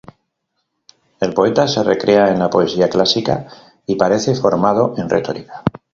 El poeta se recrea en la poesía clásica y parece formado en retórica.